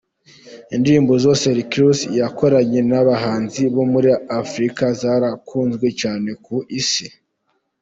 Indirimbo zose Rick Ross yakoranye n’abahanzi bo muri Afurika zarakunzwe cyane ku Isi.